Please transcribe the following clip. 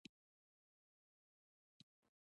پطرولیم قیر او طبیعي قیر دوه ګروپونه دي